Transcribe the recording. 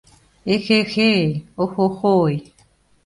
Эхе-хей, о-хо-хой!